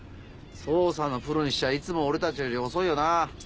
捜査のプロにしちゃいつも俺たちより遅いよな。